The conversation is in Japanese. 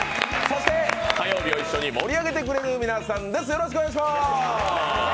そして、火曜日を一緒に盛り上げてくれる皆さんです。